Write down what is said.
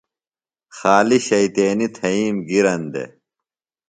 خالیۡ شیطینیۡ تھئیم گِرن دےۡ۔